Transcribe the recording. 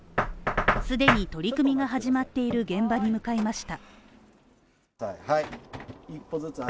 既に、取り組みが始まっている現場に向かいました。